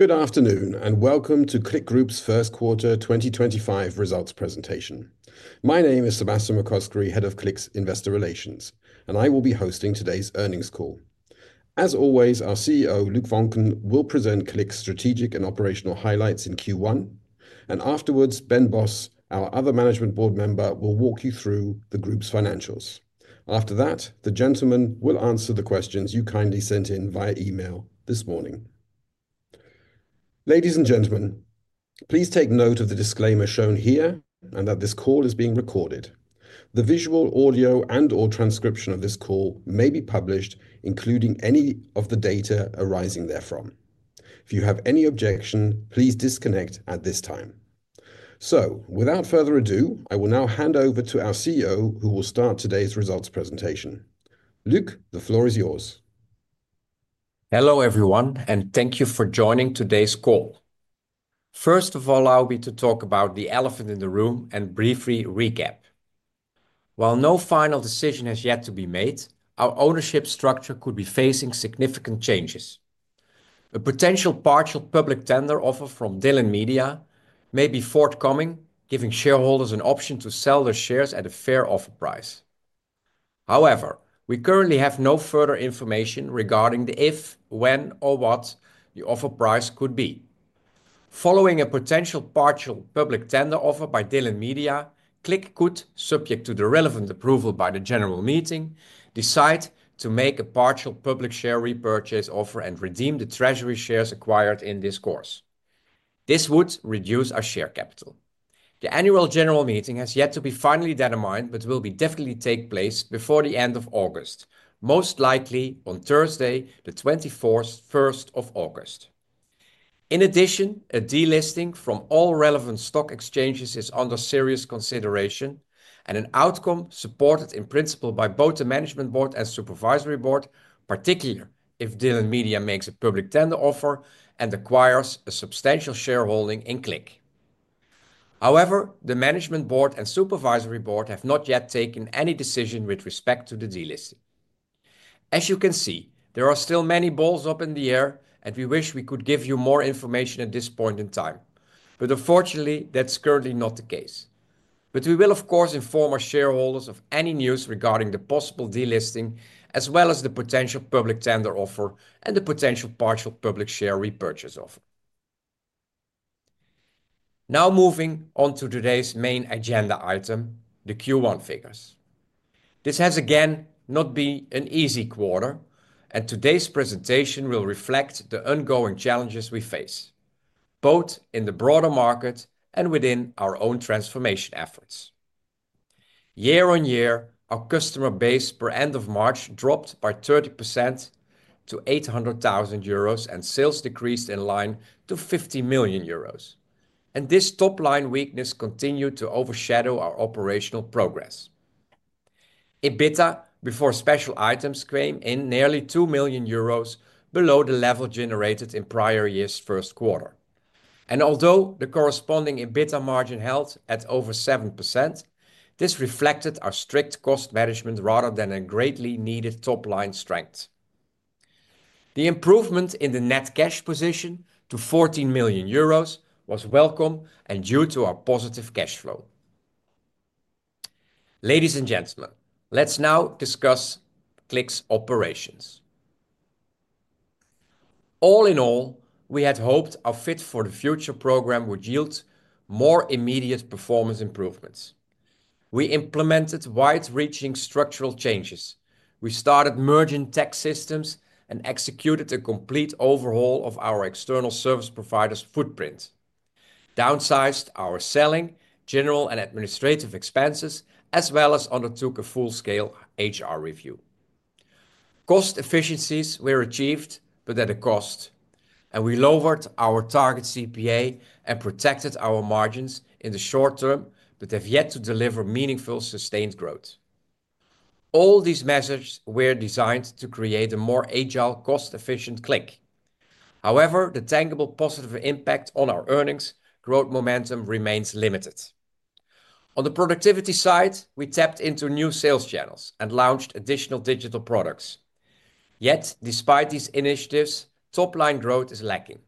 Good afternoon and welcome to CLIQ Group's first quarter 2025 results presentation. My name is Sebastian McCoskrie, Head of CLIQ's Investor Relations, and I will be hosting today's earnings call. As always, our CEO, Luc Voncken, will present CLIQ's strategic and operational highlights in Q1, and afterwards, Ben Bos, our other management board member, will walk you through the group's financials. After that, the gentleman will answer the questions you kindly sent in via email this morning. Ladies and gentlemen, please take note of the disclaimer shown here and that this call is being recorded. The visual, audio, and/or transcription of this call may be published, including any of the data arising therefrom. If you have any objection, please disconnect at this time. Without further ado, I will now hand over to our CEO, who will start today's results presentation. Luc, the floor is yours. Hello everyone, and thank you for joining today's call. First of all, allow me to talk about the elephant in the room and briefly recap. While no final decision has yet to be made, our ownership structure could be facing significant changes. A potential partial public tender offer from Dylan Media may be forthcoming, giving shareholders an option to sell their shares at a fair offer price. However, we currently have no further information regarding the if, when, or what the offer price could be. Following a potential partial public tender offer by Dylan Media, CLIQ could, subject to the relevant approval by the general meeting, decide to make a partial public share repurchase offer and redeem the treasury shares acquired in discourse. This would reduce our share capital. The Annual General Meeting has yet to be finally determined but will definitely take place before the end of August, most likely on Thursday, the 24th of August. In addition, a delisting from all relevant stock exchanges is under serious consideration, and an outcome supported in principle by both the Management Board and Supervisory Board, particularly if Dylan Media makes a public tender offer and acquires a substantial shareholding in CLIQ. However, the Management Board and Supervisory Board have not yet taken any decision with respect to the delisting. As you can see, there are still many balls up in the air, and we wish we could give you more information at this point in time, but unfortunately, that's currently not the case. We will, of course, inform our shareholders of any news regarding the possible delisting, as well as the potential public tender offer and the potential partial public share repurchase offer. Now moving on to today's main agenda item, the Q1 figures. This has again not been an easy quarter, and today's presentation will reflect the ongoing challenges we face, both in the broader market and within our own transformation efforts. Year-on-year, our customer base per end of March dropped by 30% to 800,000 euros, and sales decreased in line to 50 million euros, and this top-line weakness continued to overshadow our operational progress. EBITDA, before special items, came in nearly 2 million euros below the level generated in prior years' first quarter. Although the corresponding EBITDA margin held at over 7%, this reflected our strict cost management rather than a greatly needed top-line strength. The improvement in the net cash position to 14 million euros was welcome and due to our positive cash flow. Ladies and gentlemen, let's now discuss CLIQ's operations. All in all, we had hoped our Fit for the Future program would yield more immediate performance improvements. We implemented wide-reaching structural changes. We started merging tech systems and executed a complete overhaul of our external service provider's footprint, downsized our selling, general, and administrative expenses, as well as undertook a full-scale HR review. Cost efficiencies were achieved, but at a cost, and we lowered our target CPA and protected our margins in the short term but have yet to deliver meaningful sustained growth. All these measures were designed to create a more agile, cost-efficient CLIQ. However, the tangible positive impact on our earnings growth momentum remains limited. On the productivity side, we tapped into new sales channels and launched additional digital products. Yet, despite these initiatives, top-line growth is lacking.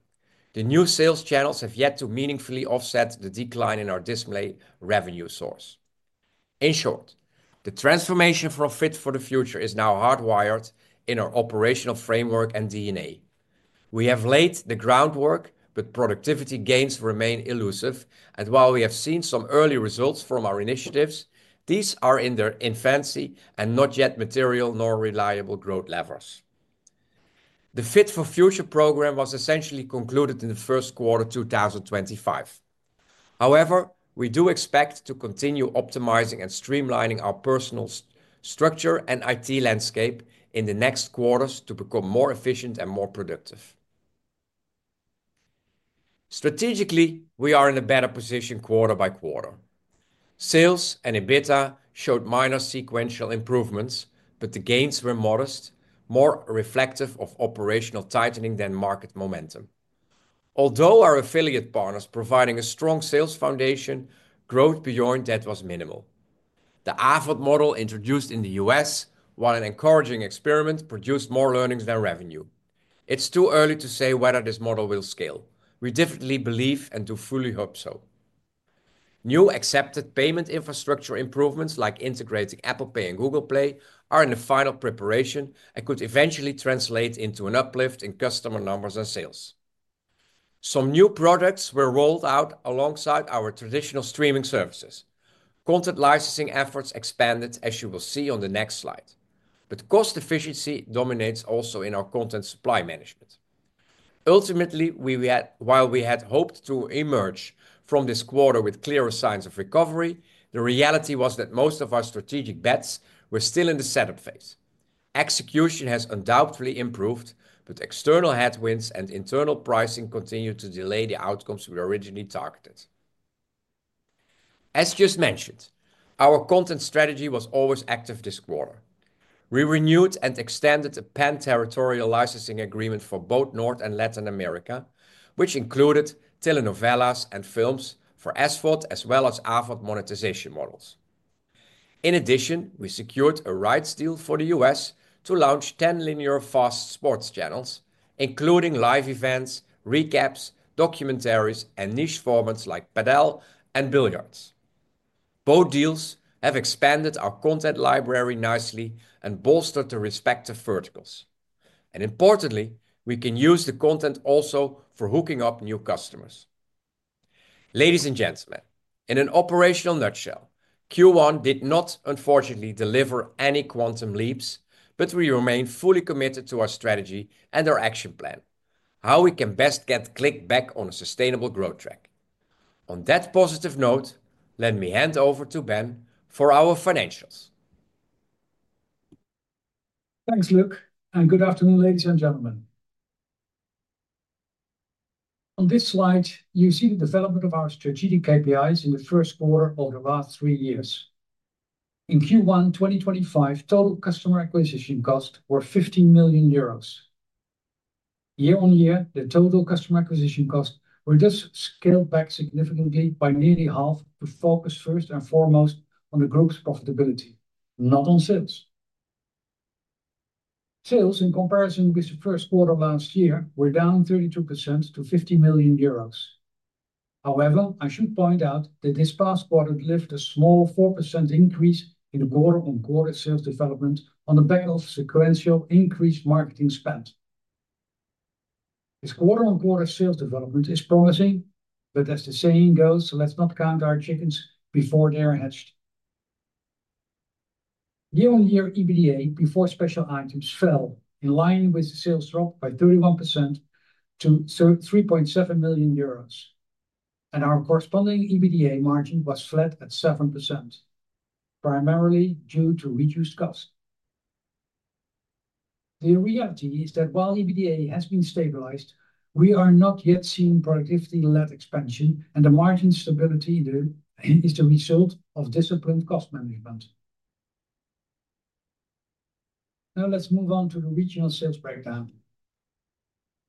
The new sales channels have yet to meaningfully offset the decline in our display revenue source. In short, the transformation for Fit for the Future is now hardwired in our operational framework and DNA. We have laid the groundwork, but productivity gains remain elusive, and while we have seen some early results from our initiatives, these are in their infancy and not yet material nor reliable growth levers. The Fit for the Future program was essentially concluded in the first quarter 2025. However, we do expect to continue optimizing and streamlining our personnel structure and IT landscape in the next quarters to become more efficient and more productive. Strategically, we are in a better position quarter by quarter. Sales and EBITDA showed minor sequential improvements, but the gains were modest, more reflective of operational tightening than market momentum. Although our affiliate partners provided a strong sales foundation, growth beyond that was minimal. The AVOD model introduced in the U.S., while an encouraging experiment, produced more earnings than revenue. It is too early to say whether this model will scale. We definitely believe and do fully hope so. New accepted payment infrastructure improvements, like integrating Apple Pay and Google Play, are in the final preparation and could eventually translate into an uplift in customer numbers and sales. Some new products were rolled out alongside our traditional streaming services. Content licensing efforts expanded, as you will see on the next slide. Cost efficiency also dominates in our content supply management. Ultimately, while we had hoped to emerge from this quarter with clearer signs of recovery, the reality was that most of our strategic bets were still in the setup phase. Execution has undoubtedly improved, but external headwinds and internal pricing continue to delay the outcomes we originally targeted. As just mentioned, our content strategy was always active this quarter. We renewed and extended a pan-territorial licensing agreement for both North and Latin America, which included telenovelas and films for AVOD, as well as AVOD monetization models. In addition, we secured a rights deal for the U.S. to launch 10 linear fast sports channels, including live events, recaps, documentaries, and niche formats like padel and billiards. Both deals have expanded our content library nicely and bolstered the respective verticals. Importantly, we can use the content also for hooking up new customers. Ladies and gentlemen, in an operational nutshell, Q1 did not, unfortunately, deliver any quantum leaps, but we remain fully committed to our strategy and our action plan, how we can best get CLIQ back on a sustainable growth track. On that positive note, let me hand over to Ben for our financials. Thanks, Luc, and good afternoon, ladies and gentlemen. On this slide, you see the development of our strategic KPIs in the first quarter over the last three years. In Q1 2025, total customer acquisition costs were 15 million euros. Year-on-year, the total customer acquisition costs were just scaled back significantly by nearly half to focus first and foremost on the group's profitability, not on sales. Sales, in comparison with the first quarter last year, were down 32% to 50 million euros. However, I should point out that this past quarter delivered a small 4% increase in quarter-on-quarter sales development on the back of sequential increased marketing spend. This quarter-on-quarter sales development is promising, but as the saying goes, let's not count our chickens before they're hatched. Year-on-year EBITDA before special items fell, in line with the sales drop by 31% to 3.7 million euros, and our corresponding EBITDA margin was flat at 7%, primarily due to reduced cost. The reality is that while EBITDA has been stabilized, we are not yet seeing productivity-led expansion, and the margin stability is the result of disciplined cost management. Now let's move on to the regional sales breakdown.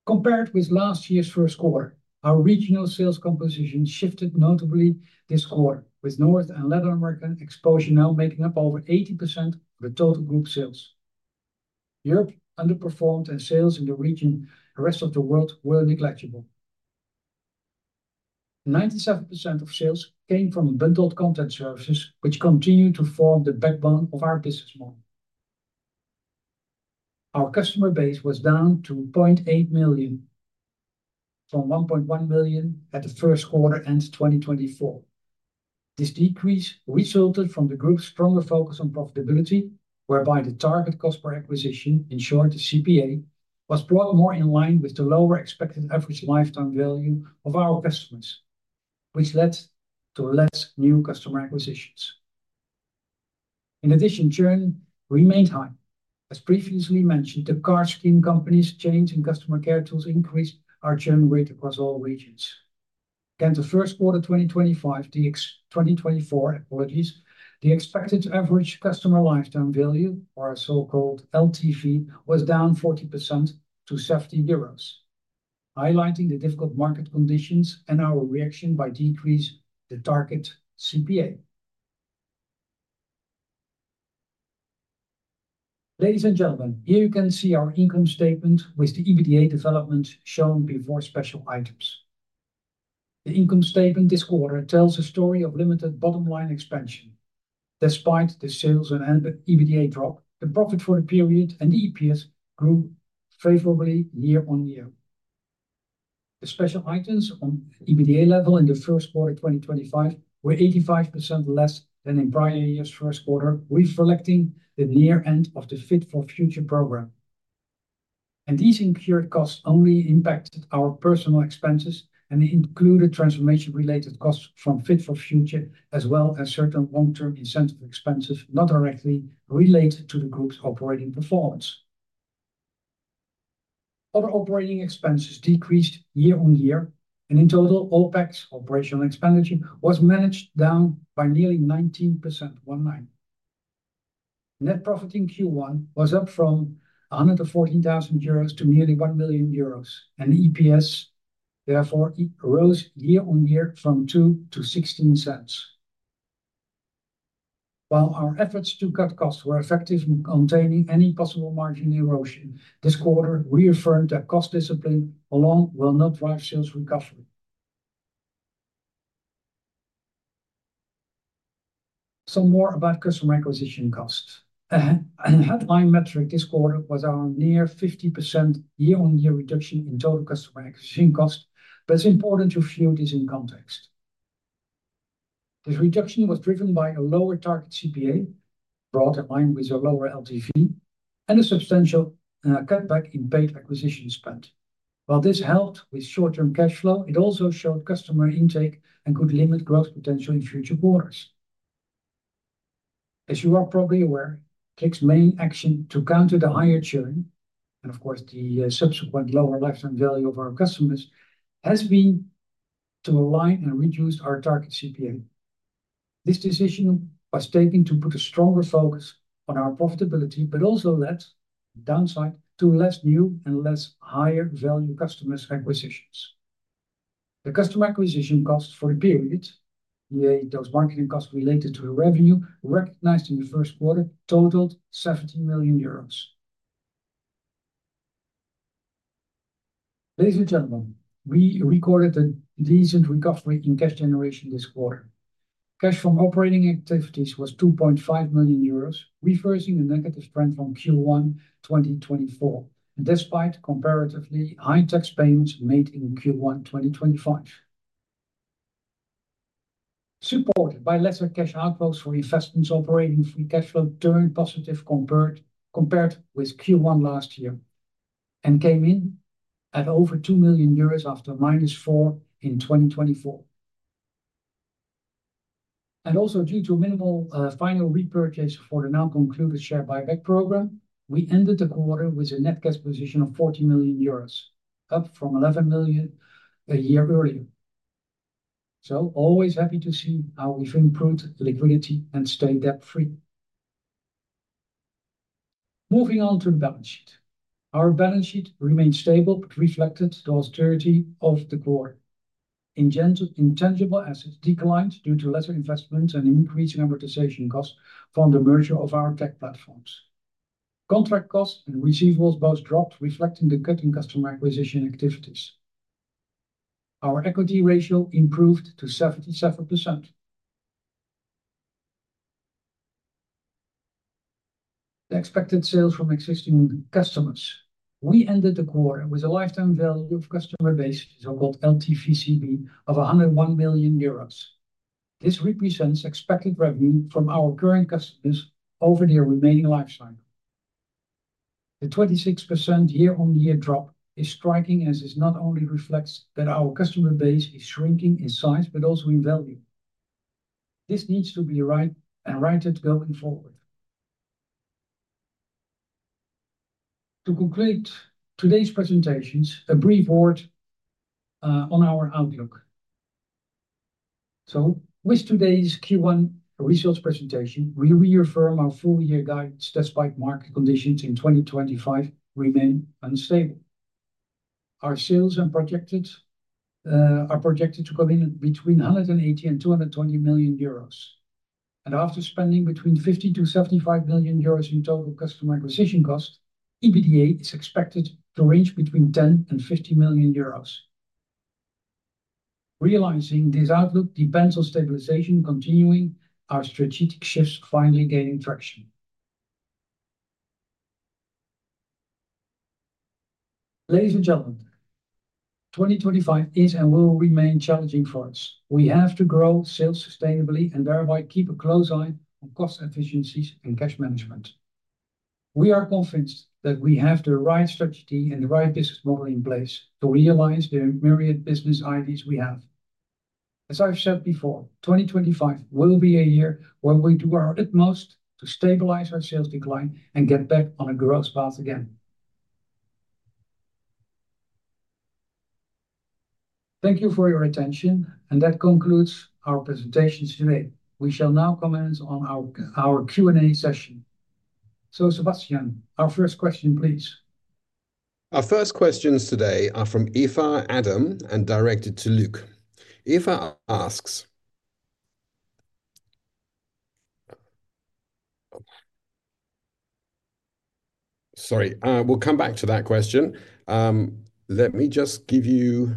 Compared with last year's first quarter, our regional sales composition shifted notably this quarter, with North and Latin American exposure now making up over 80% of the total group sales. Europe underperformed, and sales in the region and the rest of the world were negligible. 97% of sales came from bundled content services, which continue to form the backbone of our business model. Our customer base was down to 0.8 million, from 1.1 million at the first quarter end of 2024. This decrease resulted from the group's stronger focus on profitability, whereby the target cost per acquisition, in short, the CPA, was brought more in line with the lower expected average lifetime value of our customers, which led to less new customer acquisitions. In addition, churn remained high. As previously mentioned, the car scheme companies' change in customer care tools increased our churn rate across all regions. Again, the first quarter 2024, the expected average customer lifetime value, or our so-called LTV, was down 40% to 70 euros, highlighting the difficult market conditions and our reaction by decreasing the target CPA. Ladies and gentlemen, here you can see our income statement with the EBITDA development shown before special items. The income statement this quarter tells a story of limited bottom-line expansion. Despite the sales and EBITDA drop, the profit for the period and EPS grew favorably year-on-year. The special items on EBITDA level in the first quarter 2025 were 85% less than in prior year's first quarter, reflecting the near end of the Fit for the Future program. These incurred costs only impacted our personnel expenses and included transformation-related costs from Fit for the Future, as well as certain long-term incentive expenses not directly related to the group's operating performance. Other operating expenses decreased year-on-year, and in total, OpEx, operational expenditure, was managed down by nearly 19% year-on-year. Net profit in Q1 was up from 114,000 euros to nearly 1 million euros, and EPS therefore rose year-on-year from 0.02 to 0.16. While our efforts to cut costs were effective in containing any possible margin erosion, this quarter reaffirmed that cost discipline alone will not drive sales recovery. Some more about customer acquisition costs. A headline metric this quarter was our near 50% year-on-year reduction in total customer acquisition cost, but it's important to view this in context. This reduction was driven by a lower target CPA, brought in line with a lower LTV, and a substantial cutback in paid acquisition spend. While this helped with short-term cash flow, it also slowed customer intake and could limit growth potential in future quarters. As you are probably aware, CLIQ's main action to counter the higher churn, and of course the subsequent lower lifetime value of our customers, has been to align and reduce our target CPA. This decision was taken to put a stronger focus on our profitability, but also led, in hindsight, to less new and less higher-value customers' acquisitions. The customer acquisition costs for the period, those marketing costs related to the revenue, recognized in the first quarter, totaled 17 million euros. Ladies and gentlemen, we recorded a decent recovery in cash generation this quarter. Cash from operating activities was 2.5 million euros, reversing a negative trend from Q1 2024, despite comparatively high tax payments made in Q1 2025. Supported by lesser cash outflows for investments, operating free cash flow turned positive compared with Q1 last year and came in at over 2 million euros after minus four in 2024. Also, due to a minimal final repurchase for the now concluded share buyback program, we ended the quarter with a net cash position of 40 million euros, up from 11 million a year earlier. Always happy to see how we've improved liquidity and stayed debt-free. Moving on to the balance sheet. Our balance sheet remained stable but reflected the austerity of the quarter. Intangible assets declined due to lesser investments and increasing amortization costs from the merger of our tech platforms. Contract costs and receivables both dropped, reflecting the cut in customer acquisition activities. Our equity ratio improved to 77%. The expected sales from existing customers. We ended the quarter with a lifetime value of customer base, so-called LTVCB, of 101 million euros. This represents expected revenue from our current customers over their remaining lifecycle. The 26% year-on-year drop is striking as it not only reflects that our customer base is shrinking in size but also in value. This needs to be right and righted going forward. To conclude today's presentations, a brief word on our outlook. With today's Q1 results presentation, we reaffirm our full-year guidance, despite market conditions in 2025 remaining unstable. Our sales are projected to come in between 180 million and 220 million euros. After spending between 50 million-75 million euros in total customer acquisition costs, EBITDA is expected to range between 10 million and 50 million euros. Realizing this outlook depends on stabilization, continuing our strategic shifts, finally gaining traction. Ladies and gentlemen, 2025 is and will remain challenging for us. We have to grow sales sustainably and thereby keep a close eye on cost efficiencies and cash management. We are convinced that we have the right strategy and the right business model in place to realize the myriad business ideas we have. As I've said before, 2025 will be a year where we do our utmost to stabilize our sales decline and get back on a growth path again. Thank you for your attention, and that concludes our presentations today. We shall now comment on our Q&A session. Sebastian, our first question, please. Our first questions today are from Eva Adam, and directed to Luc. Eva asks... Sorry, we'll come back to that question. Let me just give you...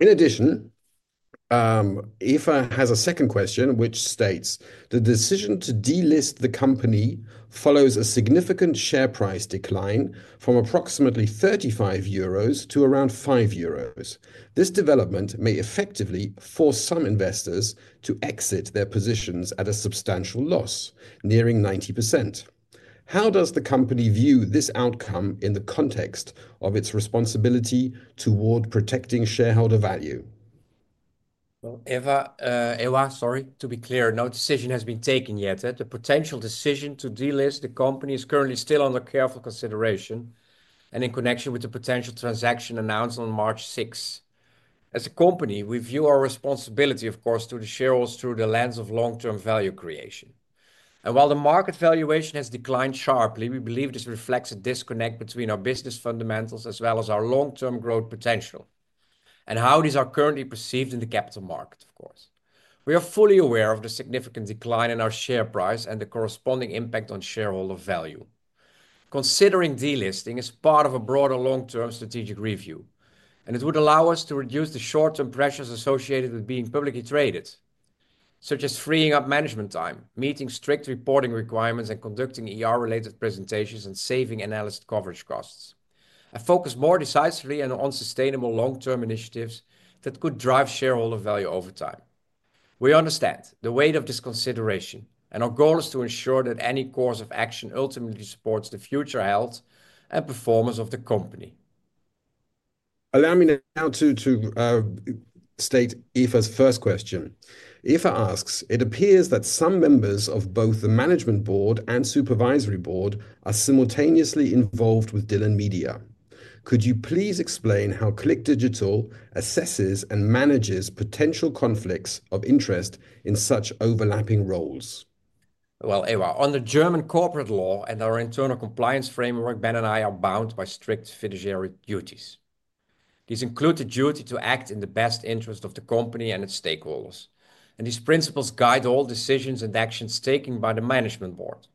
In addition, Eva has a second question, which states, "The decision to delist the company follows a significant share price decline from approximately 35 euros to around 5 euros. This development may effectively force some investors to exit their positions at a substantial loss, nearing 90%. How does the company view this outcome in the context of its responsibility toward protecting shareholder value? Eva, sorry to be clear, no decision has been taken yet. The potential decision to delist the company is currently still under careful consideration and in connection with the potential transaction announced on March 6th. As a company, we view our responsibility, of course, to the shareholders through the lens of long-term value creation. While the market valuation has declined sharply, we believe this reflects a disconnect between our business fundamentals as well as our long-term growth potential and how these are currently perceived in the capital market, of course. We are fully aware of the significant decline in our share price and the corresponding impact on shareholder value. Considering delisting is part of a broader long-term strategic review, and it would allow us to reduce the short-term pressures associated with being publicly traded, such as freeing up management time, meeting strict reporting requirements, and conducting IR-related presentations and saving analyst coverage costs, and focus more decisively on sustainable long-term initiatives that could drive shareholder value over time. We understand the weight of this consideration, and our goal is to ensure that any course of action ultimately supports the future health and performance of the company. Allow me now to state Eva's first question. Eva asks, "It appears that some members of both the Management Board and Supervisory Board are simultaneously involved with Dylan Media. Could you please explain how CLIQ Digital assesses and manages potential conflicts of interest in such overlapping roles? Eva, under German corporate law and our internal compliance framework, Ben and I are bound by strict fiduciary duties. These include the duty to act in the best interest of the company and its stakeholders, and these principles guide all decisions and actions taken by the management board.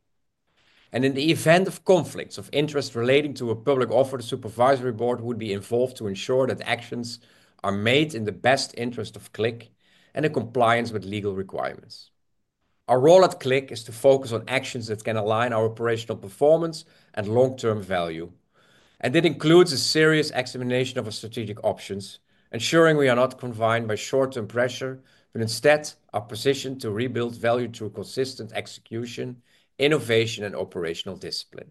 In the event of conflicts of interest relating to a public offer, the supervisory board would be involved to ensure that actions are made in the best interest of CLIQ and in compliance with legal requirements. Our role at CLIQ is to focus on actions that can align our operational performance and long-term value, and it includes a serious examination of our strategic options, ensuring we are not confined by short-term pressure, but instead are positioned to rebuild value through consistent execution, innovation, and operational discipline.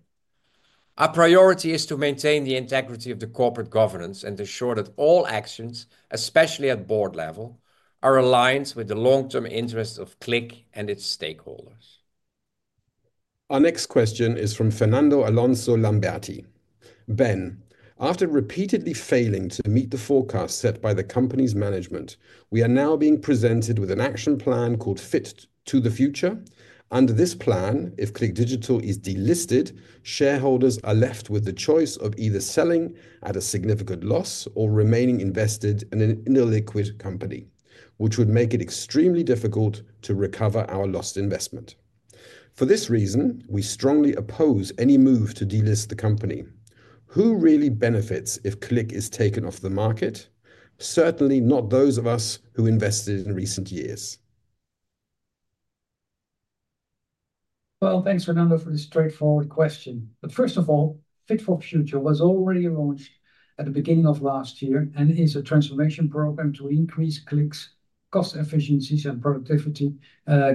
Our priority is to maintain the integrity of the corporate governance and ensure that all actions, especially at board level, are aligned with the long-term interests of CLIQ and its stakeholders. Our next question is from Fernando Alonso-Lamberti. Ben, after repeatedly failing to meet the forecast set by the company's management, we are now being presented with an action plan called Fit for the Future. Under this plan, if CLIQ Digital is delisted, shareholders are left with the choice of either selling at a significant loss or remaining invested in an illiquid company, which would make it extremely difficult to recover our lost investment. For this reason, we strongly oppose any move to delist the company. Who really benefits if CLIQ is taken off the market? Certainly not those of us who invested in recent years. Thank you, Fernando, for this straightforward question. First of all, Fit for the Future was already launched at the beginning of last year and is a transformation program to increase CLIQ's cost efficiencies and productivity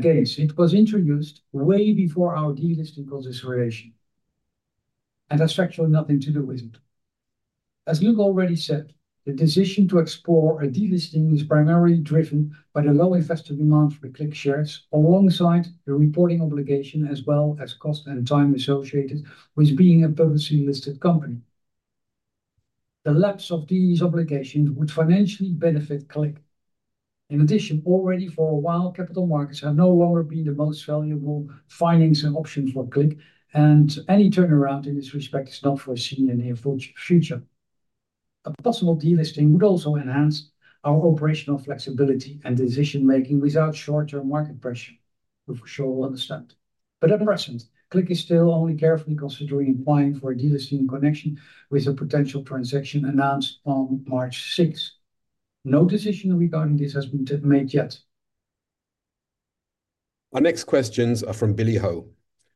gains. It was introduced way before our delisting consideration, and that actually has nothing to do with it. As Luc already said, the decision to explore a delisting is primarily driven by the low investor demand for CLIQ shares alongside the reporting obligation as well as the cost and time associated with being a publicly listed company. The lapse of these obligations would financially benefit CLIQ. In addition, already for a while, capital markets have no longer been the most valuable financing option for CLIQ, and any turnaround in this respect is not foreseen in the near future. A possible delisting would also enhance our operational flexibility and decision-making without short-term market pressure, which we are sure you will understand. At present, CLIQ is still only carefully considering applying for a delisting in connection with a potential transaction announced on March 6th. No decision regarding this has been made yet. Our next questions are from Billy Ho.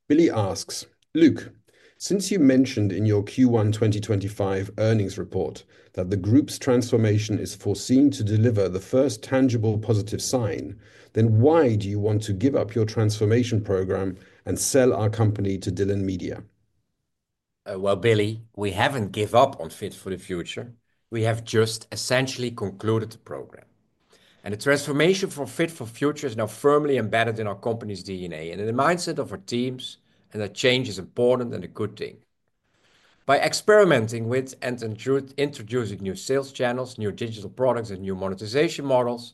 Billy asks, "Luc, since you mentioned in your Q1 2025 earnings report that the group's transformation is foreseen to deliver the first tangible positive sign, then why do you want to give up your transformation program and sell our company to Dylan Media? Billy, we have not given up on Fit for the Future. We have just essentially concluded the program, and the transformation for Fit for the Future is now firmly embedded in our company's DNA and in the mindset of our teams, and that change is important and a good thing. By experimenting with and introducing new sales channels, new digital products, and new monetization models,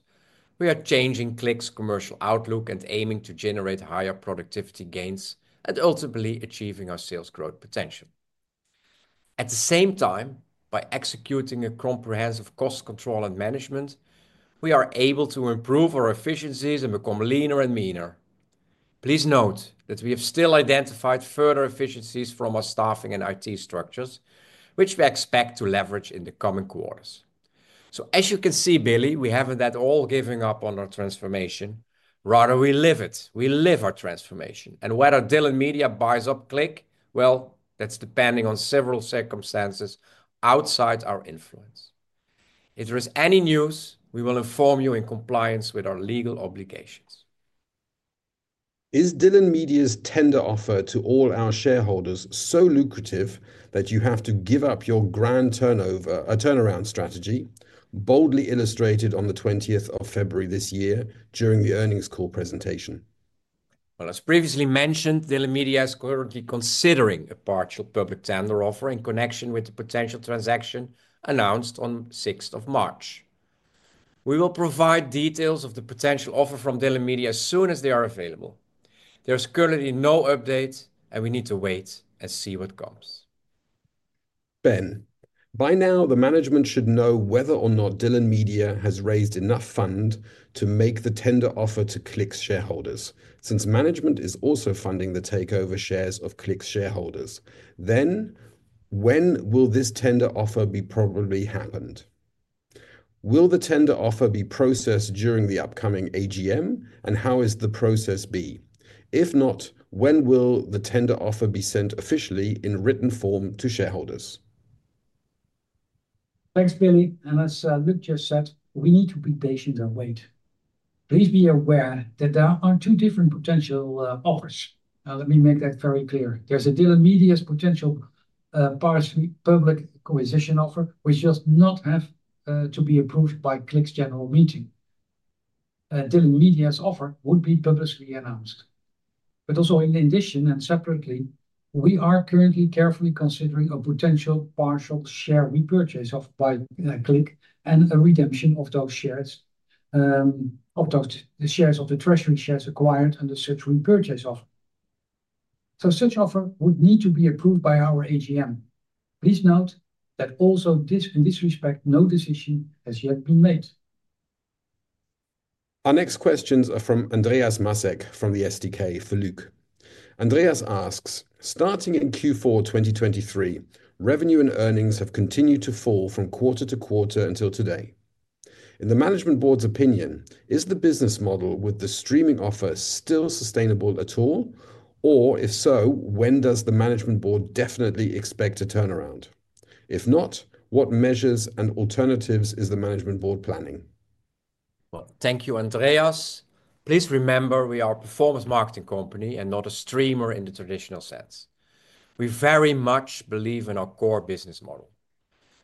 we are changing CLIQ's commercial outlook and aiming to generate higher productivity gains and ultimately achieving our sales growth potential. At the same time, by executing a comprehensive cost control and management, we are able to improve our efficiencies and become leaner and meaner. Please note that we have still identified further efficiencies from our staffing and IT structures, which we expect to leverage in the coming quarters. As you can see, Billy, we have not at all given up on our transformation. Rather, we live it. We live our transformation. Whether Dylan Media buys up CLIQ, that is depending on several circumstances outside our influence. If there is any news, we will inform you in compliance with our legal obligations. Is Dylan Media's tender offer to all our shareholders so lucrative that you have to give up your grand turnaround strategy, boldly illustrated on the 20th of February this year during the earnings call presentation? As previously mentioned, Dylan Media is currently considering a partial public tender offer in connection with the potential transaction announced on the 6th of March. We will provide details of the potential offer from Dylan Media as soon as they are available. There is currently no update, and we need to wait and see what comes. Ben, by now, the management should know whether or not Dylan Media has raised enough funds to make the tender offer to CLIQ's shareholders, since management is also funding the takeover shares of CLIQ's shareholders. When will this tender offer be properly handled? Will the tender offer be processed during the upcoming AGM, and how is the process? If not, when will the tender offer be sent officially in written form to shareholders? Thanks, Billy. As Luc just said, we need to be patient and wait. Please be aware that there are two different potential offers. Let me make that very clear. There is a Dylan Media potential public acquisition offer which does not have to be approved by CLIQ's general meeting. Dylan Media's offer would be publicly announced. In addition and separately, we are currently carefully considering a potential partial share repurchase offer by CLIQ and a redemption of those shares, of the treasury shares acquired under such repurchase offer. Such offer would need to be approved by our AGM. Please note that also in this respect, no decision has yet been made. Our next questions are from Andreas Massek from the SDK for Luc. Andreas asks, "Starting in Q4 2023, revenue and earnings have continued to fall from quarter to quarter until today. In the management board's opinion, is the business model with the streaming offer still sustainable at all? If so, when does the management board definitely expect a turnaround? If not, what measures and alternatives is the management board planning? Thank you, Andreas. Please remember we are a performance marketing company and not a streamer in the traditional sense. We very much believe in our core business model,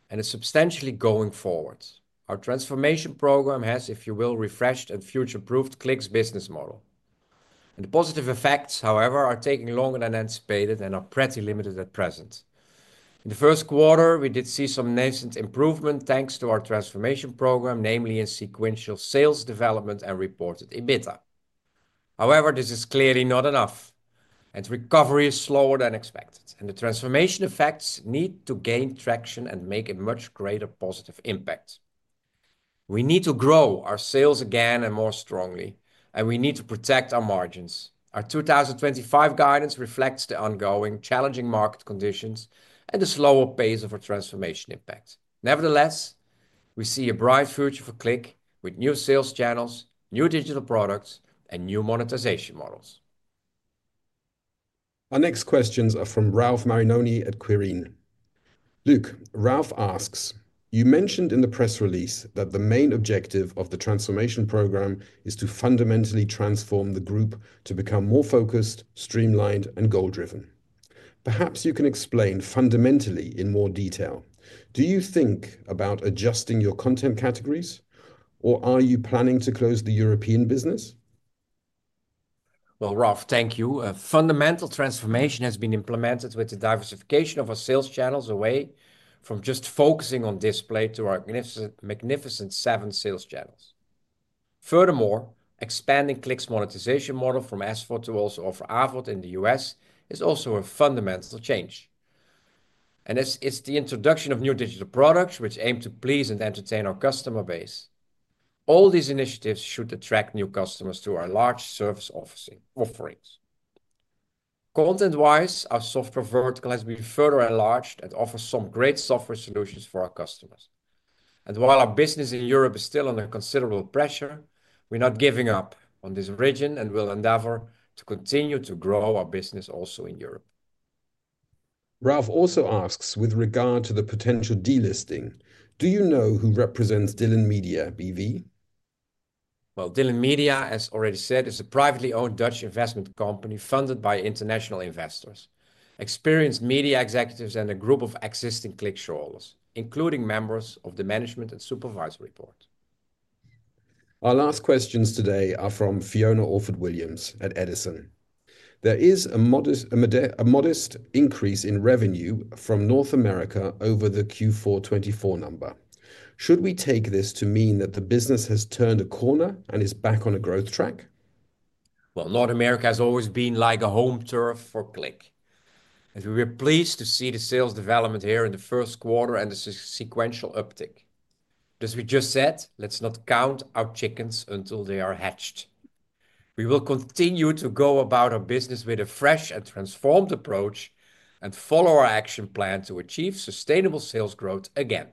and it is substantially going forward. Our transformation program has, if you will, refreshed and future-proofed CLIQ's business model. The positive effects, however, are taking longer than anticipated and are pretty limited at present. In the first quarter, we did see some nascent improvement thanks to our transformation program, namely in sequential sales development and reported EBITDA. However, this is clearly not enough, and recovery is slower than expected, and the transformation effects need to gain traction and make a much greater positive impact. We need to grow our sales again and more strongly, and we need to protect our margins. Our 2025 guidance reflects the ongoing challenging market conditions and the slower pace of our transformation impact. Nevertheless, we see a bright future for CLIQ with new sales channels, new digital products, and new monetization models. Our next questions are from Ralf Marinoni at Quirin. Luc, Ralf asks, "You mentioned in the press release that the main objective of the transformation program is to fundamentally transform the group to become more focused, streamlined, and goal-driven. Perhaps you can explain fundamentally in more detail. Do you think about adjusting your content categories, or are you planning to close the European business? Thank you. A fundamental transformation has been implemented with the diversification of our sales channels away from just focusing on display to our magnificent seven sales channels. Furthermore, expanding CLIQ's monetization model from S4 to also offer AVOD in the U.S. is also a fundamental change. It is the introduction of new digital products which aim to please and entertain our customer base. All these initiatives should attract new customers to our large service offerings. Content-wise, our software vertical has been further enlarged and offers some great software solutions for our customers. While our business in Europe is still under considerable pressure, we are not giving up on this region and will endeavor to continue to grow our business also in Europe. Ralf also asks, "With regard to the potential delisting, do you know who represents Dylan Media B.V.? Dylan Media, as already said, is a privately owned Dutch investment company funded by international investors, experienced media executives, and a group of existing CLIQ shareholders, including members of the management and supervisory board. Our last questions today are from Fiona Orford-Williams at Edison. "There is a modest increase in revenue from North America over the Q4 2024 number. Should we take this to mean that the business has turned a corner and is back on a growth track? North America has always been like a home turf for CLIQ. We were pleased to see the sales development here in the first quarter and the sequential uptick. As we just said, let's not count our chickens until they are hatched. We will continue to go about our business with a fresh and transformed approach and follow our action plan to achieve sustainable sales growth again.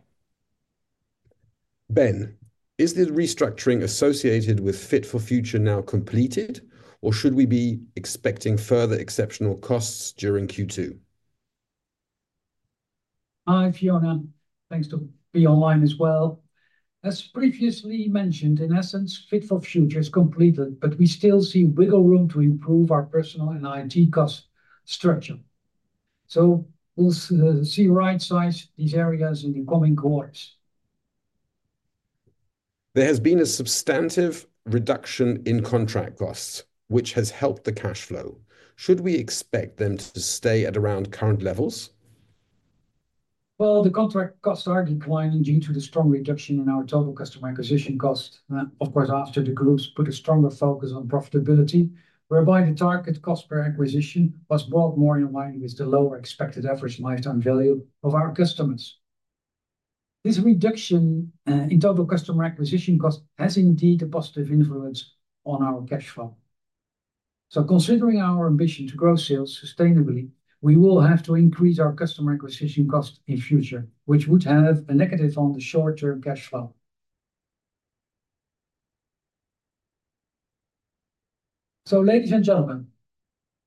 Ben, is the restructuring associated with Fit for the Future now completed, or should we be expecting further exceptional costs during Q2? Hi, Fiona. Thanks to be online as well. As previously mentioned, in essence, Fit for the Future is completed, but we still see wiggle room to improve our personnel and IT cost structure. We will see right-size these areas in the coming quarters. There has been a substantive reduction in contract costs, which has helped the cash flow. Should we expect them to stay at around current levels? The contract costs are declining due to the strong reduction in our total customer acquisition cost. Of course, after the group has put a stronger focus on profitability, whereby the target cost per acquisition was brought more in line with the lower expected average lifetime value of our customers. This reduction in total customer acquisition cost has indeed a positive influence on our cash flow. Considering our ambition to grow sales sustainably, we will have to increase our customer acquisition cost in future, which would have a negative on the short-term cash flow. Ladies and gentlemen,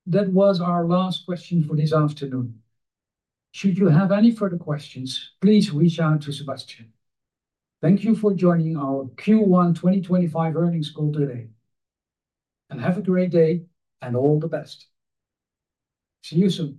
that was our last question for this afternoon. Should you have any further questions, please reach out to Sebastian. Thank you for joining our Q1 2025 earnings call today. Have a great day and all the best. See you soon.